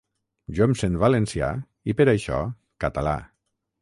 Jo em sent valencià i per això català.